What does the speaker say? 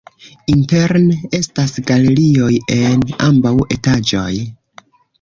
Interne estas galerioj en ambaŭ etaĝoj.